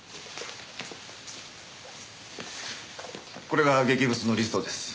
これが劇物のリストです。